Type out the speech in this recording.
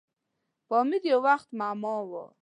پامیر یو وخت معما وه.